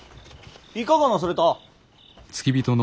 いかがなされた。